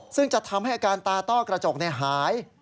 ซึ่งจะทำให้อาการตาต้อกระจกหาย